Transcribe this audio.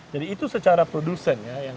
jadi itu secara produsen